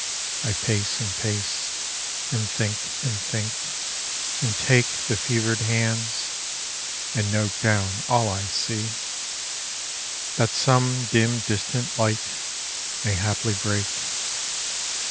I pace and pace, and think and think, and take The fever'd hands, and note down all I see, That some dim distant light may haply break.